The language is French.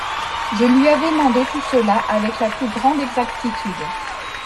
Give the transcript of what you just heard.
Je lui avais mandé tout cela avec la plus grande exactitude.